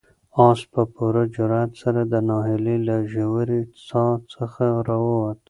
آس په پوره جرئت سره د ناهیلۍ له ژورې څاه څخه راووت.